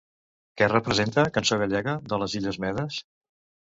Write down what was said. Què representa Cançó gallega de les illes Medes?